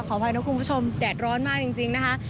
อภัยนะคุณผู้ชมแดดร้อนมากจริงนะคะ